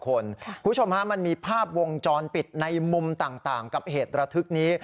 คุณผู้ชมฮะมันมีภาพวงจรปิดในมุมต่างกับเหตุระทึกนี้